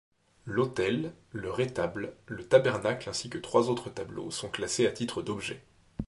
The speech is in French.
L'autel, le retable, le tabernacle ainsi que trois tableaux sont classés à titre d'objets.